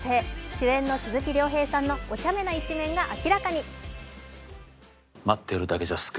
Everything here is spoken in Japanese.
主演の鈴木亮平さんのおちゃめな一面が明らかに。